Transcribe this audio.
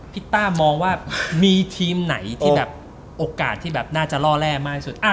ป้ามองว่ามีทีมไหนที่แบบโอกาสที่แบบน่าจะล่อแร่มากที่สุด